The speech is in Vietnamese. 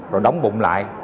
rồi đóng bụng lại